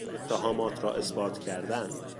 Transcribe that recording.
اتهامات را اثبات کردن